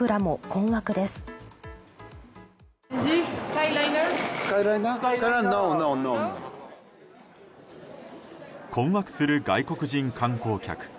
困惑する外国人観光客。